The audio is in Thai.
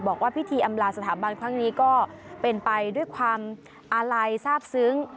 บอกว่าพิธีอำลาสถาบันครั้งนี้ก็เป็นไปด้วยความอาลัยทราบซึ้ง